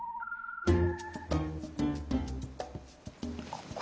ここ？